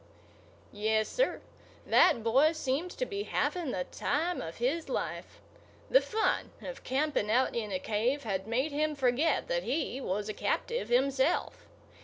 Yes, sir, that boy seemed to be having the time of his life. The fun of camping out in a cave had made him forget that he was a captive himself.